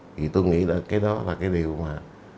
thì tôi nghĩ là cái đó là cái điều mà